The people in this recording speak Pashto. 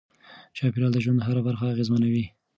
چاپیریال د ژوند هره برخه اغېزمنوي.